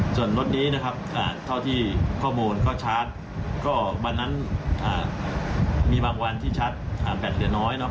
ส่วนรถนี้นะครับเท่าที่ข้อมูลก็ชาร์จก็บางนั้นมีบางวันที่ชาร์จ๘เหลือน้อยนะครับ